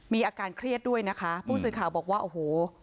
มีอาการเครียดด้วยนะคะผู้สื่อข่าวบอกว่าโอ้โห